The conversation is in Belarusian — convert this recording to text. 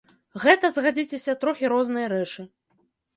Гэта, згадзіцеся, трохі розныя рэчы.